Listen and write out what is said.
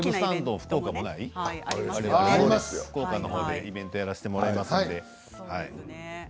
福岡でイベントやらせてもらいますので。